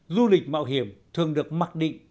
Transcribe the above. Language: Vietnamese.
du lịch mạo hiểm thường được mặc định